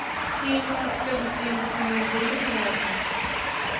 Ntinyutse gusimbuka hejuru yu mwobo.